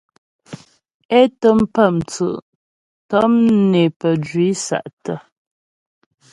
É tə́m pə́ mtsʉ' tɔm né pəjwǐ sa'tə́.